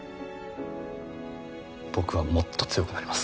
僕はもっと強くなります。